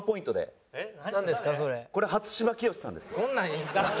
これ初芝清さんです。